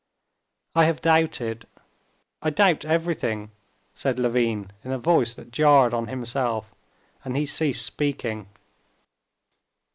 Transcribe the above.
"I have doubted, I doubt everything," said Levin in a voice that jarred on himself, and he ceased speaking.